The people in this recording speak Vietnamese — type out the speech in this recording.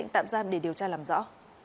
tạm giam để điều tra làm rõ